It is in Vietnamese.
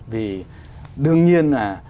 vì đương nhiên là